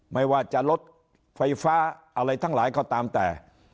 ไม่ว่าจะลดไฟฟ้าอะไรทั้งหลายก็ตามแต่